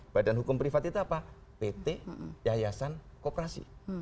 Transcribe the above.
badan hukum privat itu apa pt yayasan kooperasi